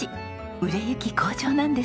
売れ行き好調なんです。